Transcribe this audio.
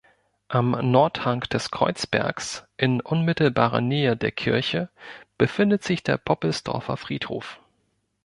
Am Nordhang des Kreuzbergs, in unmittelbarer Nähe der Kirche, befindet sich der Poppelsdorfer Friedhof.